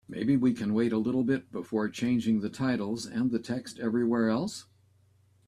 Maybe we can wait a little bit before changing the titles and the text everywhere else?